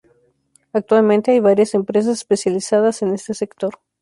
Actualmente hay varias empresas especializadas en este sector.